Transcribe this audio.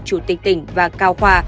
chủ tịch tỉnh và cao khoa